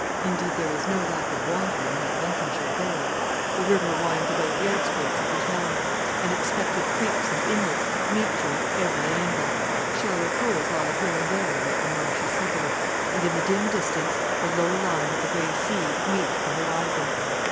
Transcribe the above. Indeed, there is no lack of water in that Lincolnshire borough. The river winds about the outskirts of the town; unexpected creeks and inlets meet you at every angle; shallow pools lie here and there about the marshy suburbs; and in the dim distance the low line of the grey sea meets the horizon.